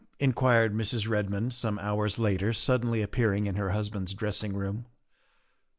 inquired Mrs. Redmond some hours later, suddenly appearing in her husband's dress ing room.